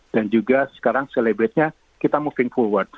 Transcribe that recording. dan juga sekarang celebratenya kita moving forward